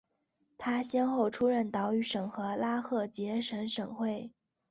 他先后出任岛屿省和拉赫杰省省长。